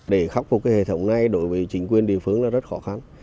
để khắc phục cái hệ thống này đối với chính quyền địa phương là rất khó khăn